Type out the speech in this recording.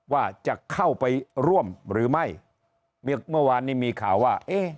ว่าจะเข้าไปร่วมหรือไม่เมื่อวานนี้มีข่าวว่าเอ๊ะ